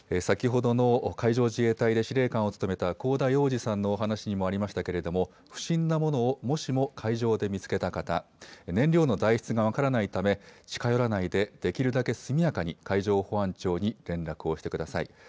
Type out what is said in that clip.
先ほどの海上自衛隊で司令官を務めた香田洋二さんのお話にもありましたけれども不審なものをもしも海上で見つけた方、燃料の材質のが分からないため近寄らないでできるだけ速やかに海上保安庁に連絡をしてください。